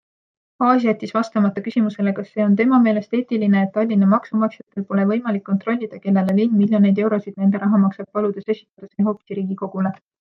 Aas jättis vastamata küsimusele, kas see on tema meelest eetiline, et Tallinna maksumaksjatel pole võimalik kontrollida, kellele linn miljoneid eurosid nende raha maksab, paludes esitada see hoopis riigikogule.